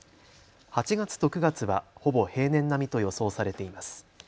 ８月と９月はほぼ平年並みと予想されています。